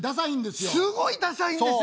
すごいダサいんですよ